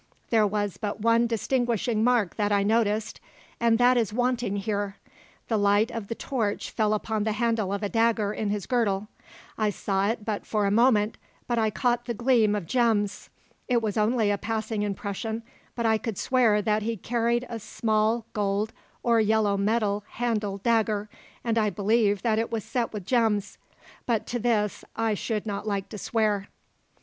There was but one distinguishing mark that I noticed, and this is wanting here. The light of the torch fell upon the handle of a dagger in his girdle. I saw it but for a moment, but I caught the gleam of gems. It was only a passing impression, but I could swear that he carried a small gold or yellow metal handled dagger, and I believe that it was set with gems, but to this I should not like to swear."